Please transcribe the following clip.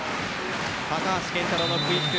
高橋健太郎のクイック。